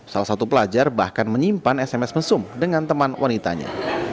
salah satu pelajar bahkan menyimpan sms mesum dengan teman wanitanya